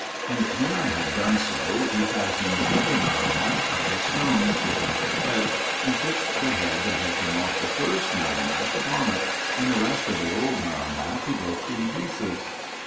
And when I had done so, he fashioned another Marumath out of stone, without a head, and fixed the head that had come off the first Marumath upon it; and the rest of the old Marumath he broke in pieces.